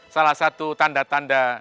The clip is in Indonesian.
salah satu tanda tanda